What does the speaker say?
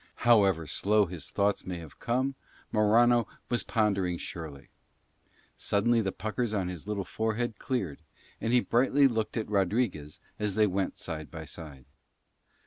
However slow his thoughts may have come, Morano was pondering surely. Suddenly the puckers on his little forehead cleared and he brightly looked at Rodriguez as they went on side by side.